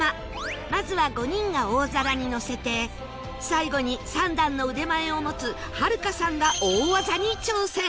まずは５人が大皿に乗せて最後に３段の腕前を持つはるかさんが大技に挑戦